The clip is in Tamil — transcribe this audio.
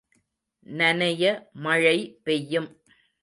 நனைய மழை பெய்யும்!